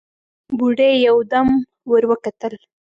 بوډۍ يودم ور وکتل: